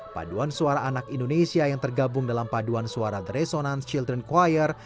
paduan suara anak indonesia yang tergabung dalam paduan suara the resonance children ⁇ choir